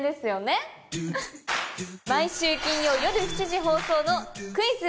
毎週金曜夜７時放送の『クイズ！